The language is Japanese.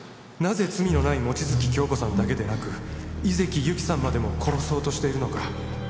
「なぜ罪のない望月京子さんだけでなく井関ゆきさんまでも殺そうとしているのか」